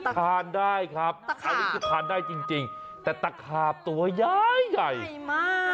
ทานได้ครับทานได้จริงแต่ตะขาบตัวใหญ่ใหญ่ใหญ่มาก